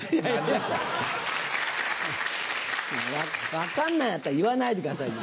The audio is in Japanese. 分かんないんだったら言わないでくださいよ。